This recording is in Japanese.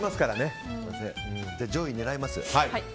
上位狙いますよ。